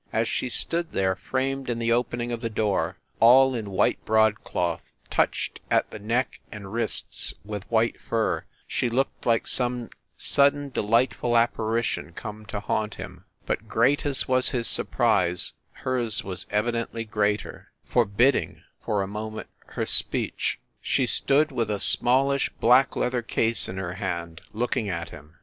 As she stood there, framed in the opening of the door, all in white broadcloth, touched at the neck and wrists with white fur, she looked like some sudden delightful apparition come to haunt him. But great as was his surprise, hers was evidently greater forbidding, for a moment, her speech. She THE SUITE AT THE PLAZA 123 stood with a smallish black leather case in her hand, looking at him.